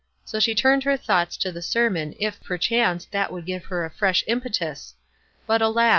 So she turned her thoughts to the sermon, if, perchance, that would give her a fresh impetus ; but, alas